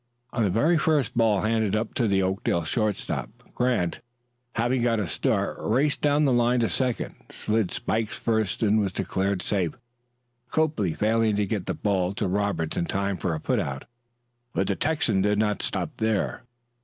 On the very first ball handed up to the Oakdale shortstop, Grant, having got a start, raced down the line to second, slid spikes first, and was declared safe, Copley failing to get the ball to Roberts in time for a put out. But the Texan did not stop there.